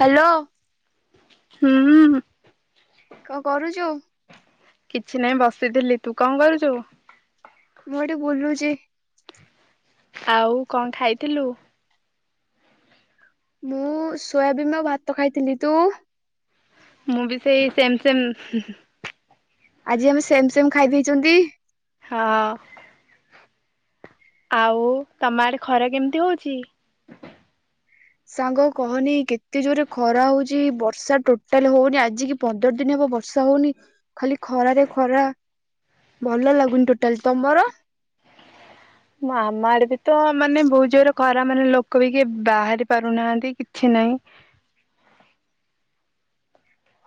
Hello. ହୁଁ। କଣ କରୁଚୁ? କିଛି ନାହିଁ ବସିଥିଲି ତୁ କଣ କରୁଚୁ। ମୁଁ ଏଠି ବୁଲୁଚି। ଆଉ କଣ ଖାଇଥିଲୁ? ମୁଁ ସୋୟାବିନ ର ଭାତ ଖାଇଥିନି। ତୁ? ମୁଁ ବି ସେଇ ସେମ ସେମ। ଆଜି ଆମେ ସେମ ସେମ ଖାଇଦେଇଚନ୍ତି। ହଁ। ଆଉ ତମ ଆଡେ ଖର କେମିତି ହଉଚି। ସାଙ୍ଗ କହନି କେତେ ଜୋରେ ଖରା ହଉଚ ବର୍ଷା ଟୋଟାଲ ହଉନି ଆଜି କି ପନ୍ଦର ଦିନ ହବ ବର୍ଷା ହଉନି ଖାଲି ଖରାରେ ଖରା। ଭଲ ଲାଗୁନି ଟୋଟାଲ ତମର? ଆମ ଆଡେ ବି ତ ମାନେ ବହୁତ ଜୋର ଖରା ମାନେ ଲୋକ ବି କିଏ ବାହାରି ପାରୁନାହାନ୍ତି କିଛି ନାହିଁ।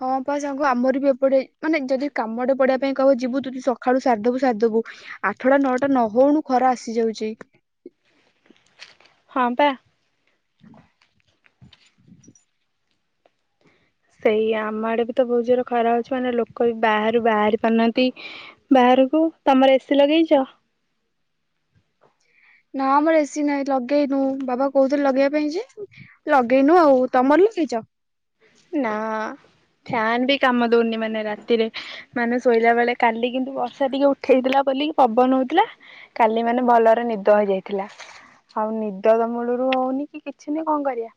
ହଁ ପା ସାଙ୍ଗ ଆମର ବି ଏପଟେ ମାନେ ଯଦି କାମଟେ ପଡିବା ଯିବୁ ତୁି ସକାଳୁ ସାରିଦବୁ ସାରିଦବୁ। ଆଠଟା ନଅଟା ନହଉଣୁ ଖରା ଆସିଯାଉଚି। ହଁ ପା। [inaudible] ସେଇ ଆମ ଆଡେ ବି ତ ଭହୁତ ଜୋର ଖରା ହୋଉଚି ମାନେ ଲୋକ ବି ବାହାରୁ ବାହାରି ପାରୁନାହାନ୍ତି। ବାହାରକୁ ତମର ଏସିି ଲଗେଇଚ? ନା ଆମର ଏସି ନାହିଁ ଲଗେଇନୁ। ବାବା କହୁଥିଲେ ଲଗେଇବା ପାଇଁ ଯେ ଲଗେଇନୁ ଆଉ। ତମର ଲଗେଇଚ? ନା ଫ୍ୟାନ୍ ବି କାମ ଦଉନି ମାନେ ରାତିରେ ମାନ ଶୋଇଲା ବେଳେ। କାଲି କିନ୍ତୁ ବର୍ଷା ଟିକେ ଉଠେଇଥିଲା ବୋିକି ପବନ ହଉଥିଲା। କାଲି ମାନେ ଭଲରେ ନିଦ ହେଇଯାଇଥିଲା। ଆଉ ନିଦ ତ ମୂଳରୁ ହଉନି କି କିଛି ନି କଣ କରିବା।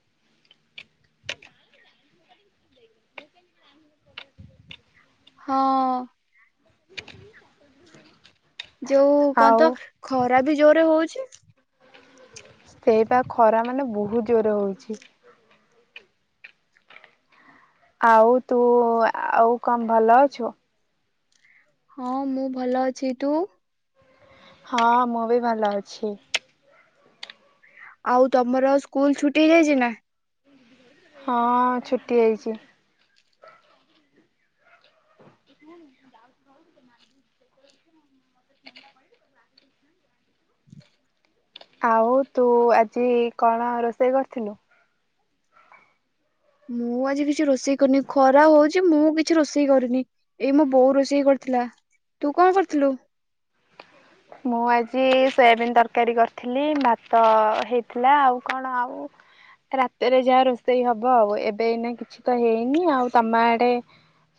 ହଁ। ଏଇଟା ଯୋଉ କନ୍ତ ଖରା ବି ଜୋରରେ ହଉଚି। ସେଇପ ଖରା ମାନେ ବହୁତ ଜୋର ହେଉଚି। ଆଉ ତୁ ଆଉ କଣ ଭଲ ଅଛୁ? ହଁ ମୁଁ ଭଲ ଅଛି। ତୁ? ହଁ ମୁଁ ବି ଭଲ ଅଛି। ଆଉ ତମର ସ୍କୁଲ ଛୁଟି ହେଇଯାଇଚି ନା? ହଁ ଛୁଟି ହେଇଚି। [unintelligible] ଆଉ ତୁ ଆଜି କଣ ରୋଷେଇ କରିଥିଲୁ? ମୁଁ ଆଜି କିଛି ରୋଷେଇ କରିନି ଖରା ହଉଛି ମୁଁ କିଛି ରୋଷେଇ କରିନି। ଏଇ ମୋ ବୋଉ ରୋଷେଇ କରିଥିଲା ତୁ କଣ କରିଥିଲୁ? ମୁଁ ଆଜି ସୋୟାବିିନ ତରକାରୀ କରିଥିଲି ଭାତ ହେଇଥିଲା ଆଉ କଣ ଆଉ ରାତିରେ ଯାହା ରୋଷେଇ ହବ ଆଉ ଏବେ ଏଇନା କିଛି ତ ହେଇନି ଆଉ ତମ ଆଡେ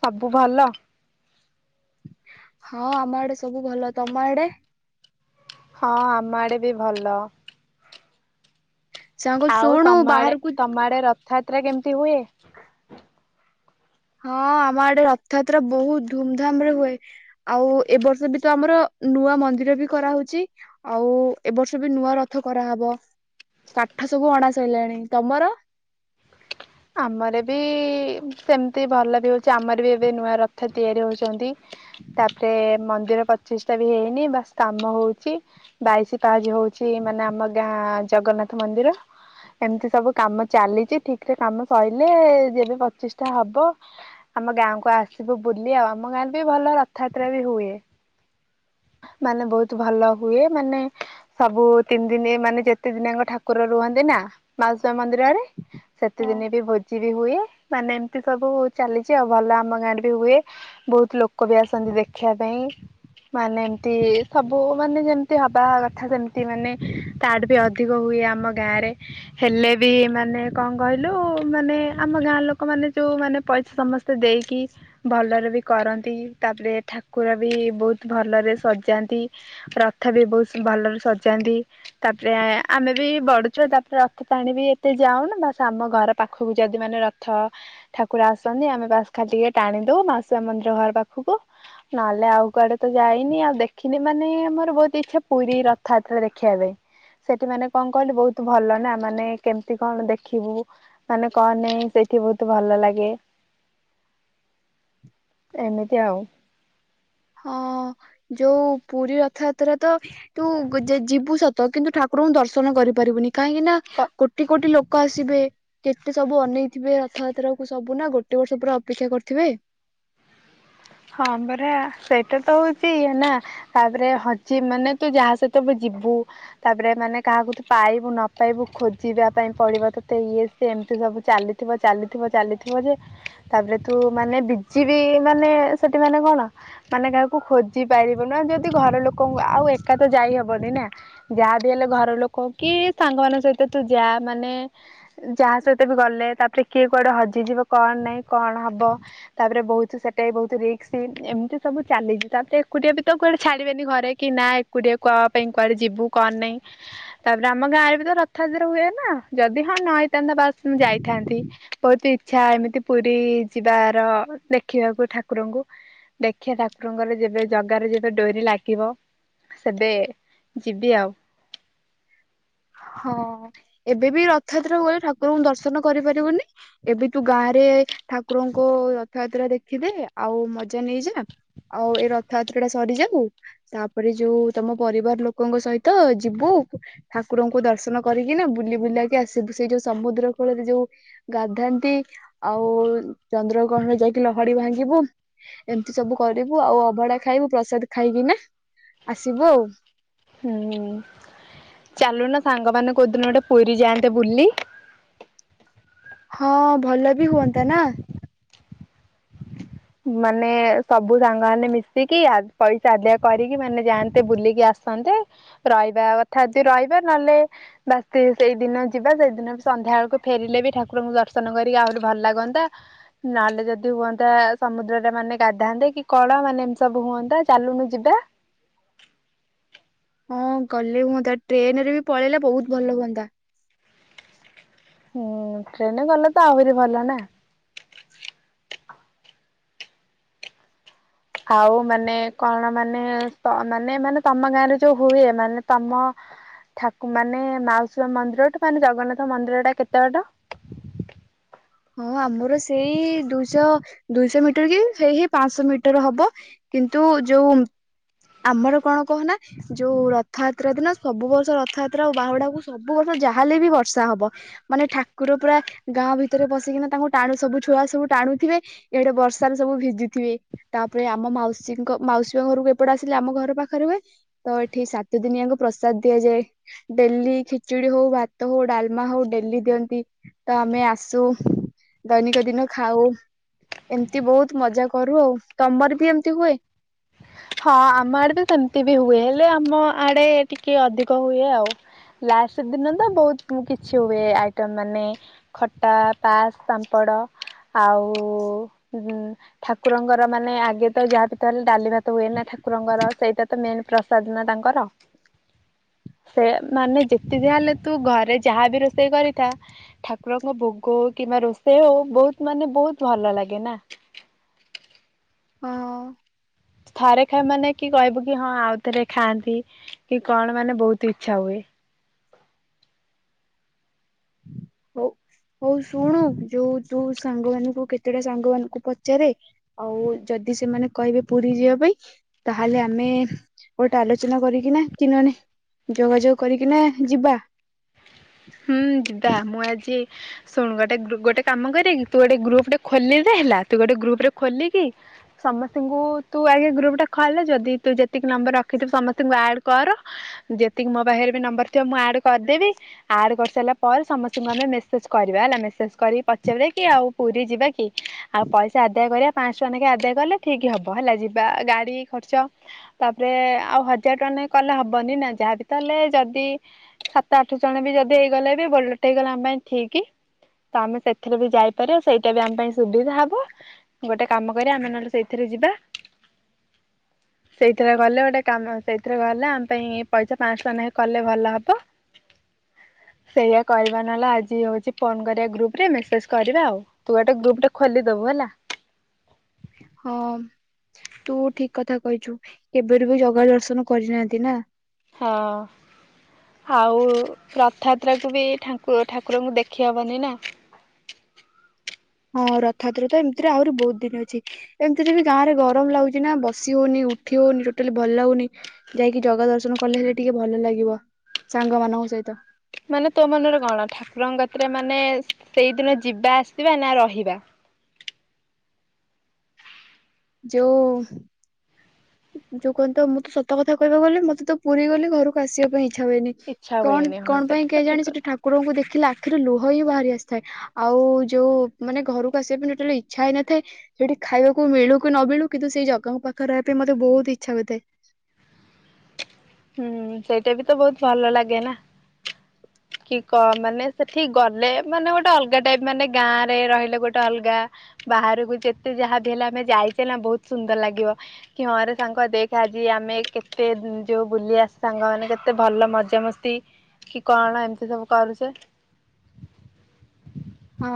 ସବୁ ଭଲ? ହଁ ଆମ ଆଡେ ସବୁ ଭଲ। ତମ ଆଡେ? ହଁ ଆମ ଆଡେ ବି ଭଲ। ସାଙ୍ଗ ଆଉ ଶୁଣୁ ତମ ଆଡେ ବାହାରକୁ ତମଆଡେ ରଥଯାତ୍ରା କେମିତି ହୁଏ? ହଁ ଆମ ଆଡେ ରଥଯାତ୍ରା ବହୁତ ଧୁମଧାମ ରେ ହୁଏ। ଆଉ ଏ ବର୍ଷ ବି ତ ଆମର ନୂଆ ମନ୍ଦିର ବି କରାହଉଚି। ଆଉ ଏବ ବର୍ଷ ବି ନୂଆ ରଥ କରାହେବ କାଠ ସବୁ ଅଣା ସରିଲାଣି। ତମର? ଆମର ବି ସେମତି ଭଲ ବି ହଉଚି ଆମର ବି ଏବେ ନୂଆ ରଥ ତିଆରି ହଉଚନ୍ତି। ତାପରେ ମନ୍ଦିର ପାଚିଷ୍ଟା ବି ହେଇନି ବା କାମ ହଉଚି। ବାଇଶି ପାହାଜ ହଉଚି ମାନେ ଆମ ଗାଁ ଜଗନ୍ନାଥ ମନ୍ଦିର। ଏମିତି ସବୁ କାମ ଚାଲିଚି ଠିକ ରେ କାମ ସରିଲଲେ ଯେବେ ପଚିଷ୍ଟା ହବ ଆମ ଗାଁକୁ ଆସିବୁ ବୁଲି ଆଉ ଆମ ଗାଁ ରେ ବି ଭଲ ରଥଯାତ୍ରା ବି ହୁଏ। ମାନେ ବହୁତ ଭଲ ହୁଏ। ମାନେ ସବୁ ତିନି ଦିନି ମାନେ ଯେତେ ଦିନଙ୍କ ଠାକୁର ରୁହନ୍ତି ନା ମାଉସ ମନ୍ଦିରରେ ହଁ ସେତିଦିନେ ବି ଭୋଜି ବି ହୁଏ। ମାନେ ଏମିତି ସବୁ ଚାଲିଛି ଆଉ ଭଲ ଆମ ଗାଁରେ ବି ହୁଏ। ବହୁତ ଲୋକ ବି ଆସନ୍ତି ଦେଖିବା ପାଇଁ। ମାନେ ଏମତି ସବୁ ମାନେ ଯେମତି ହବା କଥା ସେମିତି ମାନେ ତାଠୁ ବି ଅଧିକ ହୁଏ ଆମ ଗାଁ ରେ ହେଲେ ବି ମାନେ କଣ କହିଲୁ ମାନେ ଆମ ଗାଁ ଲୋକମାନେ ଯେଉଁ ମାନେ ପଇସା ସମସ୍ତେ ଦେଇକି ଭଲରେ ବି କରନ୍ତି ତାପରେ ଠାକୁର ବି ବୋହୁ ତ୍ ଭଲରେ ସଜାନ୍ତି ରଥ ବି ବହୁସ ଭଲରେ ସ ଜାନ୍ତି ତାପରେ ଆମେ ବି ବଡ଼ଛୁଆ ତାପରେ ରଥଟାଣ ବି ଏତେ ଯାଉନ ବାସ ଆମ ଘର ପାଖକୁ ଯଦି ମାନେ ରଥ ଠାକୁର ଆସନ୍ତି ଆମେ ବାସ୍ ଖାଲି ଟିକେ ଟାଣିଦଉ ମାଶୁଆ ମନ୍ଦିର ଘର ପାଖୁକୁ। ନହେଲେ ଆଉ କୁଆଡ଼େ ତ ଯାଇନି ଆଉ ଦେଖିନି ମାନେ ମୋର ବହୁତ ଇଛା ପୁରୀ ରଥଯାତ୍ରା ଦେଖିବା ପାଇଁ। ସେଠି ମାନେ କଣ କହିଲୁ ବହୁତ ଭଲ ନା ମାନେ କେମିତି କଣ ଦେ ଖିବୁ ମାନେ କହ ନେଇଁ ସେଇଠି ବହୁତୁ ଭଲ ଲାଗେ। ଏମିତି ଆଉ। ହଁ ଯୋଉ ପୁରୀ ରଥଯାତ୍ରା ତ ତୁ ଗ ଜି ଯିବୁ ସତ କିନ୍ତୁ ଠାକୁରଙ୍କୁ ଦର୍ଶନ କରିପାରିବୁନି କାହିଁକି ନା କ କୋଟି କୋଟି ଲୋ କ ଆସିବେ କେତେ ସବୁ ଅନେଇଥିବେ ରଥଯାତ୍ରା କୁ ସବୁ ନା ଗୋଟେ ବର୍ଷ ପୁରା ଅପେକ୍ଷା କରିଥିବେ। ହଁ ବରା ସେଇଟା ତ ହଉଛି ଇଏ ନା। ତାପରେ ହଜି ମାନେ ତୁ ଯାହା ସହିତ ବି ଯିବୁ। ତାପରେ ମାନେ କାହାକୁ ତୁ ପାଇବୁ ନ ପାଇବୁ ଖୋଜିବା ପାଇଁ ପଡ଼ିବ ତତେ ଇଏ ସେ ଏମିତି ସବୁ ଚାଲିଥିବ ଚାଲିଥିବ ଚାଲିଥିବ ଯେ ତାପରେ ତୁ ମାନେ ବିଜିବି ମାନେ ସେଠି ମାନେ କଣ? ମାନେ କାହାକୁ ଖୋଜି ପାରିବୁନା ଯଦି ଘର ଲୋକଙ୍କୁ ଆଉ ଏକାତ ଯାଇହବନି ନାଁ? ଯାହା ବିହେଲେ ଘର ଲୋକ କି ସାଙ୍ଗମାନଙ୍କ ସହିତ ତୁ ଯା ମାନେ ଯାହା ସହିତ ବି ଗଲେ ତାପରେ କିଏ କୁଆଡ଼େ ହଜିଯିବ କଣ ନାଇଁ କଣ ହବ? ତାପରେ ବହୁତ ସେଟା ବି ବହୁତ ରି କ୍ସ ଏମିତି ସବୁ ଚାଲିଛି ତାପରେ ଏକୁଟିଆ ବି ତ କୁଆଡ଼େ ଛାଡିବେନି ଘରେ କି ନା ଏକୁଡିଆ କଁ ପାଇଁ କୁଆଡ଼େ ଯିବୁ କଣ ନାଇଁ? ତାପରେ ଆମ ଗାଁରେ ବି ତ ରଥଯାତ୍ରା ହୁଏ ନା ଯଦି ହଁ ନ ହେଇଥାନ୍ତା ବାସ୍ ମୁଁ ଯାଇଥାନ୍ତି। ବହୁତ ଇଚ୍ଛା ଏମିତି ପୁରୀ ଯିବାର ଦେଖିବାକୁ ଠାକୁରଙ୍କୁ। ଦେଖିବା ଠାକୁରଙ୍କର ଯେବେ ଜଗାରେ ଯେବେ ଡୋରି ଲାଗିବ। ସେବେ ଯିବି ଆଉ। ହଁ ଏବେ ବି ରଥଯାତ୍ରା ଗଲେ ଠାକୁରଙ୍କୁ ଦର୍ଶନ କରିପାରିବୁନି। ଏବେ ତୁ ଗାଁରେ ଠାକୁରଙ୍କ ରଥଯାତ୍ରା ଦେଖିଦେ ଆଉ ମଜା ନେଇଯା। ଆଉ ଏ ରଥଯାତ୍ରା ଟା ସରିଯାଉ। ତାପରେ ଯୋଉ ତମ ପରିବାର ଲୋକଙ୍କ ସହିତ ଯିବୁ ଠାକୁରଙ୍କୁ ଦର୍ଶନ କରିକି ନା ବୁଲି ବୁଲାକି ଆସିବୁ ସେଇ ଯୋଉ ସମୁଦ୍ର କୂଳରେ ଯୋଉ ଗାଧାନ୍ତି ଆଉ ଚନ୍ଦ୍ରଗ୍ରହଣ ଯାଇକି ଲହଡ଼ି ଭାଙ୍ଗିବୁ। ଏମିତି ସବୁ କରିବୁ ଆଉ ଅଭଡ଼ା ଖାଇବୁ ପ୍ରସାଦ ଖାଇକି ନା ଆସିବୁ ଆଉ। ହୁଁ ଚାଲୁନ ସାଙ୍ଗମାନେ କୋଉଦିନ ଗୋଟେ ପୁରୀ ଯାଆନ୍ତେ ବୁଲି? ହଁ ଭଲ ବି ହୁଅନ୍ତା ନାଁ? [inaudible] ମାନେ ସବୁ ସାଙ୍ଗମାନେ ମିଶିକି ଆ ପଇସା ଆଦାୟ କରିକି ମାନେ ଯାଆନ୍ତେ ବୁଲିକି ଆସନ୍ତେ। ରହିବା କଥା ଦି ରହିବ ନହେଲେ ବାସ ସେ ସେଇଦିନ ଯିବା ସେଇଦିନ ବି ସନ୍ଧ୍ୟାବେଳ କୁ ଫେରିଲେ ବି ଠାକୁରଙ୍କୁ ଦର୍ଶନ କରିକି ଆହୁରି ଭଲ ଲାଗନ୍ତା। ନାହେଲେ ଯଦି ହୁଅନ୍ତା। ସମୁଦ୍ରରେ ମାନେ ଗାଧାନ୍ତେ କି କଳ ମାନେ ଏମିତି ସବୁ ହୁଅନ୍ତା ଚାଲୁନୁ ଯିବା। ହଁ ଗଲେ ହୁଅନ୍ତା ଟ୍ରେନ୍ ରେ ବି ପଳେଇଲେ ବହୁତ ଭଲ ହୁଅନ୍ତା। ହୁଁ ଟ୍ରେନରେ ଗଲେ ତ ଆହୁରି ଭଲ ନା। ଆଉ ମାନେ କଣ ମାନେ ତ ମାନେ ମାନେ ତମ ଗାଁରେ ଯୋଉ ହୁଏ ମାନେ ତମ ଠାକୁ ମାନେ ମାଉସୀ ମା ମନ୍ଦିରଠୁ ମାନେ ଜଗନ୍ନାଥ ମନ୍ଦିରଟା କେତେ ବାଟ? ହଁ ଆମର ସେଇ ଦୁଇଶ ଦୁଇଶ ମିଟର କି ହେଇ ହେଇ ପାଁଶ ମିଟର ହବ। କିନ୍ତୁ ଯୋଉ ଆମର କଣ କହୁନା ଯୋଉ ରଥଆତ୍ରା ଦିନ ସବୁ ବର୍ଷ ରଥାତ୍ରା ଆଉ ବାହୁଡ଼ାକୁ ସବୁ ବର୍ଷ ଯାହା ହେଲେ ବି ବର୍ଷା ହବ। ମାନେ ଠାକୁର ପୁରା ଗାଁ ଭିତରେ ପସିକିନା ତାଙ୍କୁ ଟାଣୁ ସବୁ ଛୁଆ ସବୁ ଟାଣୁଥିବେ। ଏଇଡ଼େ ବର୍ଷାରେ ସବୁ ଭିଜିଥିବେ ତାପରେ ଆମ ମାଉସୀଙ୍କ ମାଉସୀ ମା ଘରୁକୁ ଏ ପଟେ ଆସିଲେ ଆମ ଘର ପାଖରେ ହୁଏ ତ ଏଠି ସାତ ଦିନିଆଙ୍କ ପ୍ରସାଦ ଦିଆଯାଏ। ଡେଲି ଖିଚୁଡି ହଉ ଭାତ ହଉ ଡାଲମା ହଉ ଡେଲି ଦିଅନ୍ତି। ତ ଆମେ ଆସୁ ଦୈନିକ ଦିନ ଖାଉ। ଏମତି ବୋହୁତ ମଜା କରୁ ଆଉ ତମର ବି ଏମତି ହୁଏ? ହଁ ଆମ ଆଡ଼େ ତ ସେମତି ବି ହୁଏ ହେଲେ ଆମ ଆଡେ ଟିକେ ଅଧିକ ହୁଏ ଆଉ। ଲାଷ୍ଟ ଦିନ ତ ବହୁତ ଉଁ କିଛି ହୁଏ ଆଇଟମ ମାନେ। ଖଟା ପାସ୍ ପାମ୍ପଡ଼। ଆଉ ଉଁ ଠାକୁରଙ୍କର ମାନେ ଆଗେ ତ ଯାହା ବି ତ ହେଲେ ଡାଲି ଭା ତ ହୁଏ ନା ଠାକୁରଙ୍କର ସେଇଟା ତ ମେନ ପ୍ରସାଦ ନା ତାଙ୍କର। ସେ ମାନେ ଯେତେ ଯାହେଲେ ତୁ ଘରେ ଯାହା ବି ରୋଷେଇ କରିଥା ଠାକୁରଙ୍କ ଭୋଗ ହୋଉ କିମ୍ବା ରୋଷେଇ ହଉ ବହୁତ ମାନେ ବହୁତ ଭଲ ଲାଗେ ନାଁ‌। ହଁ। ଥରେ ଖା ମାନେ କି କହିବୁ କି ହଁ ଆଉ ଥରେ ଖାଆନ୍ତି କି କଣ ମାନେ ବହୁତ ଇଚ୍ଛା ହୁଏ। ହୋଉ। ହୋଉ ଶୁଣୁ ଯୋଉ ତୁ ସାଙ୍ଗମାନୁଙ୍କୁ କେତେଟା ସାଙ୍ଗମାନୁଙ୍କୁ ପଚାରେ। ଆଉ ଯଦି ସେମାନେ କହିବେ ପୁରୀ ଯିବା ପାଇଁ ତାହେଲେ ଆମେ ଗୋଟେ ଆଲୋଚନା କରିକିନା କି ନନେ ଯୋଗାଯୋଗ କରିକିନା ଯିବା। ହୁଁ ଯିବା ମୁଁ ଆଜି ଶୁଣୁ ଗୋଟେ ଗୃ ଗୋଟେ କାମ କରିବା କି ତୁ ଗୋଟେ ଗୃପଟେ ଖୋଲିଦେ ହେଲା ତୁ ଗୋଟେ ଗୃପରେ ଖୋଲିକି ସମସ୍ତିଙ୍କୁ ତୁ ଆଗେ ଗୃପଟା ଖୋଲେ ଯଦି ତୁ ଯେତିକି ନମ୍ବର ରଖିଥିବୁ ସମସ୍ତିଙ୍କୁ ଆଡ କର। ଯେତିକି ମୋ ପାଖରେ ବି ନମ୍ବର ଥିବ ମୁଁ ଆଡ କରିଦେବି। ଆଡ କରିସାଇଲା ପରେ ସମସ୍ତିଙ୍କୁ ଆମେ ମେସେଜ କରିବା ହେଲା ମେସେଜ କରି ପଚାରିଆ କି ଆଉ ପୁରୀ ଯିବା କି। ଆଉ ପଇସା ଆଦାୟ କରିବା ପାଁଶ ଟଙ୍କା ନେଖେ ଆଦାୟ କଲେ ଠିକ୍ ହବ ହେଲା ଯିବା ଗାଡ଼ି ଖର୍ଚ୍ଚ। ତାପରେ ଆଉ ହଜାର ଟଙ୍କା ନାଖେ କଲେ ହବନି ନାଁ ଯାହା ବି ତ ହେଲେ ଯଦି ସାତ ଆଠ ଜଣେ ବି ଯଦି ହେଇଗଲେ ବି ବୋଲରଟେ ହେଇଗଲେ ଆମ ପାଇଁ ଠିକି। ତ ଆମେ ସେଥିରେ ବି ଯାଇପାରିଆ ସେଇଟା ବି ଆମ ପାଇଁ ସୁବିଧା ହବ। ଗୋଟେ କାମ କରିବା ଆମେ ନହେଲେ ସେଇଥିରେ ଯିବା। [unintelligible] ସେଇଥିରେ ଗଲେ ଗୋଟେ କାମ ସେଇଥିରେ ଗଲେ ଆମ ପାଇଁ ପଇସା ପାଁଶ ଟଙ୍କା ନାଖେ କଲେ ଭଲ ହବ। ସେଇଆ କରିବା ନହେଲା ଆଜି ହଉଚି ଫୋନ କରିବା ଗୃପରେ ମେସେଜ କରିବା ଆଉ। ତୁ ଅଟେ ଗୃପଟେ ଖୋଲି ଦବୁ ହେଲା। ହଁ ତୁ ଠିକ୍ କଥା କହିଚୁ କେବେରୁ ବି ଜଗା ଦର୍ଶନ କରିନାହାନ୍ତି ନାଁ। ହଁ। ଆଉ ରଥଆତ୍ରାକୁ ବି ଠାକୁ ଠାକୁରଙ୍କୁ ଦେଖିହେବନି ନାଁ। ହଁ ରଥଆତ୍ରା ତ ଏମତିରେ ଆହୁରି ବୋହୁତ ଦିନ ଅଛି। ଏମିତିରେ ବି ଗାଁରେ ଗରମ ଲାଗୁଚି ନା ବସି ହୋଉନେହିଁ ଉଠି ହୋଉନେହିଁ ଟୋଟାଲି ଭଲ ଲାଗୁନେହିଁ। ଯାଇକି ଜଗା ଦର୍ଶନ କଲେ ହେଲେ ଟିକେ ଭଲ ଲାଗିବ ସାଙ୍ଗ ମାନଙ୍କ ସହିତ। ମାନେ ତୋ ମନରେ କଣ ଠାକୁରଙ୍କ କତିରେ ମାନେ ସେଇଦିନ ଯିବା ଆସିବା ନା ରହିବା? ଯୋଉ ଯୋଉ କଣ ତ ମୁଁ ତ ସତ କଥା କହିବାକୁ ଗଲେ ମତେ ତ ପୁରୀ ଗଲେ ଘରକୁ ଆସିବା ପାଇଁ ଇଚ୍ଛା ହୁଏନେହିଁ। ଇଚ୍ଛା କଣ ହୁଏନି ହଁ କଣ ସେଟା ପାଇଁ ତ କେଇ ଠିକ ଜାଣି ସେଠି କଥା ଠାକୁରଙ୍କୁ ଦେଖିଲେ ଆଖିରୁ ଲୁହ ହିଁ ବାହାରି ଆସିଥାଏ। ଆଉ ଯୋଉ ମାନେ ଘରକୁ ଆସିବା ପାଇଁ ଟୋଟାଲ ଇଚ୍ଛା ହେଇନଥାଏ। ସେଇଠି ଖାଇବାକୁ ମିଳୁ କି ନ ମିଳୁ କିନ୍ତୁ ସେଇ ଜଗା ପାଖରେ ରହିବା ପାଇଁ ମତେ ବୋହୁତୁ ଇଚ୍ଛା ହୋଇଥାଏ। ହୁଁ ସେଇଟା ବି ତ ବୋହୁତୁ ଭଲ ଲାଗେ ନା। କି କହ ମାନେ ସେଠିକି ଗଲେ ମାନେ ଗୋଟେ ଅଲଗା ଟାଇପ୍ ମାନେ ଗାଁ ରେ ରହିଲେ ଗୋଟେ ଅଲଗା। ବାହାରକୁ ଯେତେ ଯାହାବି ହେଲେ ଆମେ ଯାଇଚେ ନା ବୋହୁତୁ ସୁନ୍ଦର ଲାଗିବ। କି ହଁ ରେ ସାଙ୍ଗ ଦେଖେ ଆଜି ଆମେ କେତେ ଯୋଉ ବୁଲି ଆ ସାଙ୍ଗମାନେ କେତେ ଭଲ ମଜା ମସ୍ତି। ତି କି କଣ ଏମିତି ସବୁ କରୁଚେ। ହଁ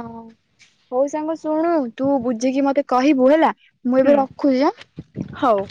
ହୋଉ ସାଙ୍ଗ ଶୁଣୁ ତୁ ବୁଝିକି ମତେ କହିବୁ ହେଲା। ମୁଁ ଏବେ ରଖୁଚି। ହୋଉ।